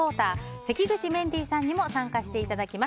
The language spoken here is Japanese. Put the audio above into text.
関口メンディーさんにも参加していただきます。